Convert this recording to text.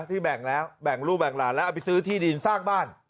ที่แบ่งแล้วแบ่งลูกแบ่งหลานแล้วเอาไปซื้อที่ดินสร้างบ้าน